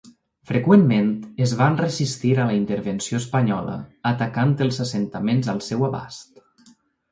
Freqüentment es van resistir a la intervenció espanyola, atacant els assentaments al seu abast.